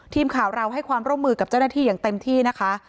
ทีมข่าวเราให้ความร่วมมือกับเจ้าหน้าที่อย่างเต็มที่นะคะ